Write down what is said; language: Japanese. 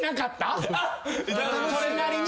それなりに。